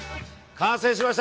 完成しました！